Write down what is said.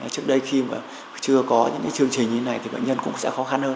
trước đây khi mà chưa có những chương trình như thế này thì bệnh nhân cũng sẽ khó khăn hơn